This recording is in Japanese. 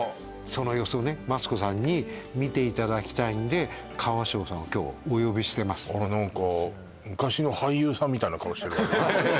その様子をねマツコさんに見ていただきたいんで川昌さんを今日お呼びしてますな顔してるわね